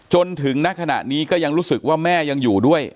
จนถึงณขณะนี้ก็ยังรู้สึกว่าแม่ยังอยู่ด้วย